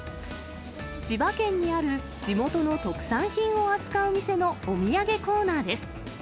千葉県にある地元の特産品を扱う店のお土産コーナーです。